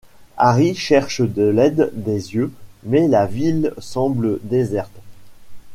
Harry cherche de l'aide des yeux mais la ville semble déserte.